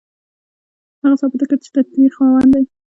هغه ثابته کړه چې د تدبير خاوند دی.